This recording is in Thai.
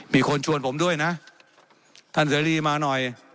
มีคนชวนผมด้วยนะท่านเสรีมาหน่อย